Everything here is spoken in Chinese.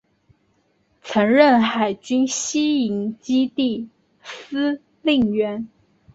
曾任海军西营基地司令员。